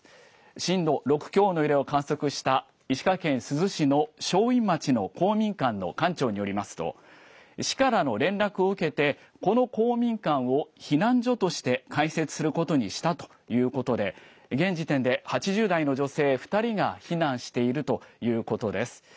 震度６強の揺れを観測した石川県珠洲市の正院町の公民館の館長によりますと市からの連絡を受けてこの公民館を避難所として開設することにしたということで現時点で８０代の女性２人が避難しているということです。